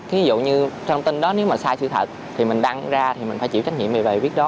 thí dụ như thông tin đó nếu mà sai sự thật thì mình đăng ra thì mình phải chịu trách nhiệm về viết đó